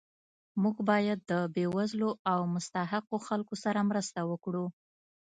موږ باید د بې وزلو او مستحقو خلکو سره مرسته وکړو